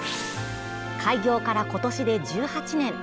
開業から今年で１８年。